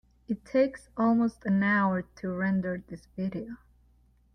It takes almost an hour to render this video.